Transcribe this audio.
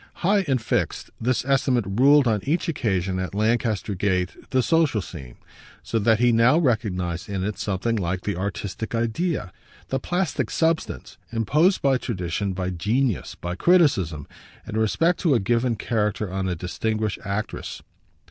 High and fixed, this estimate ruled on each occasion at Lancaster Gate the social scene; so that he now recognised in it something like the artistic idea, the plastic substance, imposed by tradition, by genius, by criticism, in respect to a given character, on a distinguished actress.